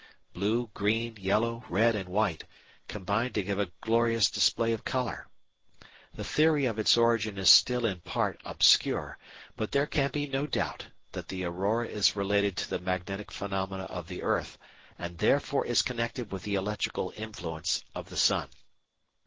Blue, green, yellow, red, and white combine to give a glorious display of colour. The theory of its origin is still, in part, obscure, but there can be no doubt that the aurora is related to the magnetic phenomena of the earth and therefore is connected with the electrical influence of the sun.